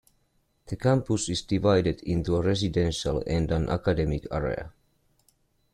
The campus is divided into a residential and an academic area.